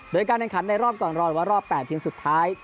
โดยการแข่งขันในรอบก่อนรอหรือว่ารอบ๘ทีมสุดท้าย